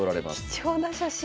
貴重な写真。